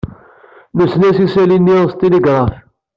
Nuzen-as isalli-nni s tiligraf.